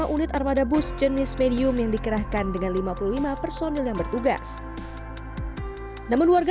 unit armada bus jenis medium yang dikerahkan dengan lima puluh lima personil yang bertugas namun warga